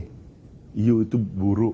anda itu buruk